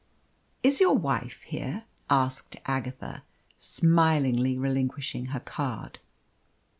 "Is your wife here?" asked Agatha, smilingly relinquishing her card.